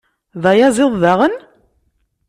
D ayaẓiḍ daɣen?